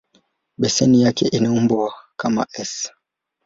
Beseni yake ina umbo kama "S".